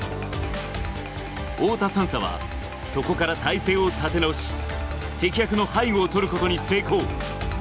太田３佐はそこから体勢を立て直し、適役の背後を取ることに成功。